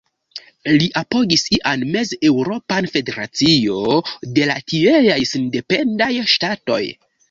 Li apogis ian Mez-Eŭropan Federacion de la tieaj sendependaj ŝtatoj.